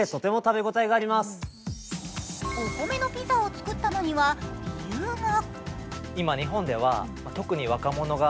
お米のピザを作ったのには理由が。